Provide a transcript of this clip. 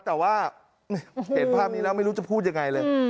แต่ว่าเห็นภาพนี้แล้วไม่รู้จะพูดยังไงเลย